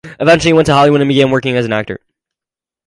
Eventually he went to Hollywood and began working as an actor.